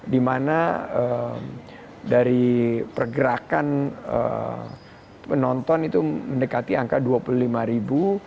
dimana dari pergerakan penonton itu mendekati angka dua puluh lima ribu